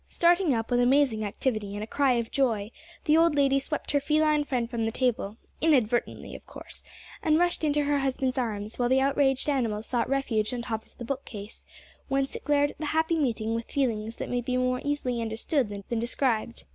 Starting up with amazing activity and a cry of joy, the old lady swept her feline friend from the table inadvertently, of course and rushed into her husband's arms, while the outraged animal sought refuge on top of the bookcase, whence it glared at the happy meeting with feelings that may be more easily understood than described.